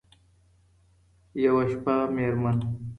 یوه شپه مېرمن